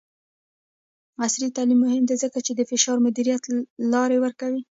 عصري تعلیم مهم دی ځکه چې د فشار مدیریت لارې ورکوي.